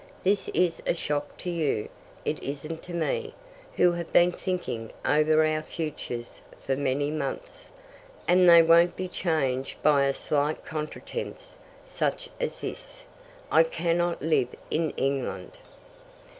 This is a shock to you. It isn't to me, who have been thinking over our futures for many months, and they won't be changed by a slight contretemps, such as this. I cannot live in England."